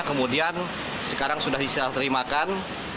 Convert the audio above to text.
kemudian sekarang sudah diserah terimakan